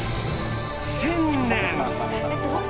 １０００年。